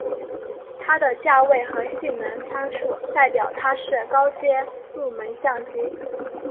它的价位和性能参数代表它是高阶入门相机。